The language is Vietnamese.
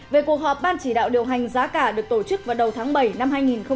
về cuộc họp ban chỉ đạo điều hành giá cả được tổ chức vào đầu tháng bảy năm hai nghìn hai mươi